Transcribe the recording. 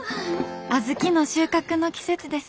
小豆の収穫の季節です。